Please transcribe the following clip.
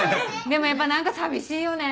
でもやっぱ何か寂しいよね。